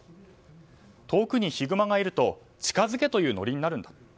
遠くにヒグマがいると近づけというノリになる。